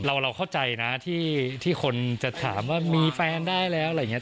เราเข้าใจนะที่คนจะถามว่ามีแฟนได้แล้วอะไรอย่างนี้